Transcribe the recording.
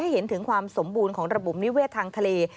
เห็นถึงความสมบูรณ์ของระบบนิเวศทางทะเล